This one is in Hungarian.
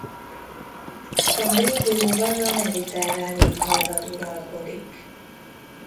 A régióban a mediterrán éghajlat uralkodik.